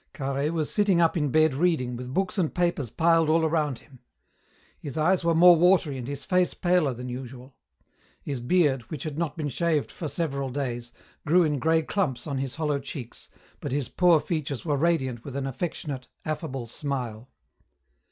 Carhaix was sitting up in bed reading, with books and papers piled all around him. His eyes were more watery and his face paler than usual. His beard, which had not been shaved for several days, grew in grey clumps on his hollow cheeks, but his poor features were radiant with an affectionate, affable smile.